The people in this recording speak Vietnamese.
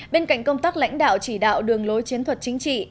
bên cạnh công tác lãnh đạo chỉ đạo đường lối chiến thuật chính trị